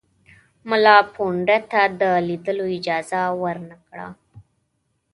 مُلاپوونده ته د لیدلو اجازه ورنه کړه.